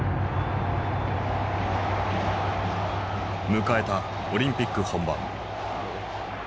迎えたオリンピック本番。